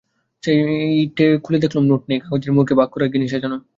সেইটে খুলে দেখলুম নোট নেই, কাগজের মোড়কে ভাগ করা গিনি সাজানো।